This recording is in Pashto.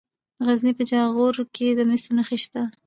د غزني په جاغوري کې د مسو نښې شته.